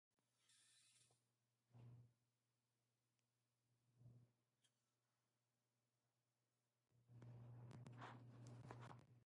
دەل مۇشۇ كومىتېتنىڭ دوكلاتىدىن ئۈچ ئاي كېيىن پارلامېنت ئۇيغۇر قىرغىنچىلىقىنى ئېتىراپ قىلغانىدى.